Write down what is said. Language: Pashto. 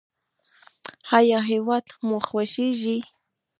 ایا هیواد مو خوښیږي؟